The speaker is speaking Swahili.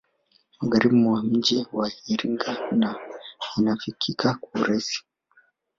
Magharibi mwa mji wa Iringa na inafikika kwa urahisi